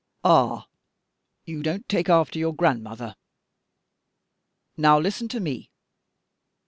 "Ah, you don't take after your grandmother! Now listen to me.